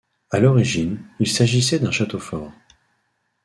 À l'origine, il s'agissait d'un château fort.